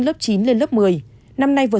lớp chín lên lớp một mươi năm nay vừa